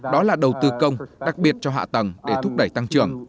đó là đầu tư công đặc biệt cho hạ tầng để thúc đẩy tăng trưởng